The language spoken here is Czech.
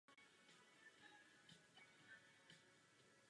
Sbírky tohoto druhu byly pouze východního práva.